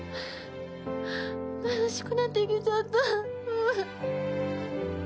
悲しくなってきちゃった。